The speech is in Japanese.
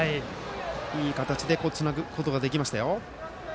いい形でつなぐことができました。